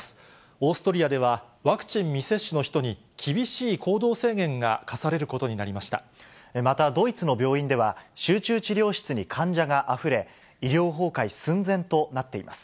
オーストリアではワクチン未接種の人に厳しい行動制限が課されるまたドイツの病院では、集中治療室に患者があふれ、医療崩壊寸前となっています。